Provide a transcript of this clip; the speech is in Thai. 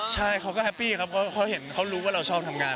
ใช่เขาก็แฮปปี้ครับเขารู้ว่าเราชอบทำงาน